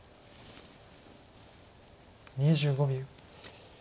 ２５秒。